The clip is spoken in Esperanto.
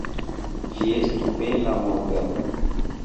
Ĝi estu bela morgaŭ!